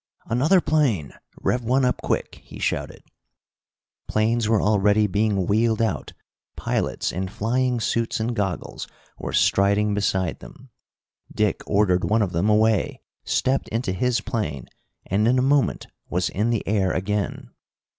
"Another plane! Rev one up quick!" he shouted. Planes were already being wheeled out, pilots in flying suits and goggles were striding beside them. Dick ordered one of them away, stepped into his plane, and in a moment was in the air again.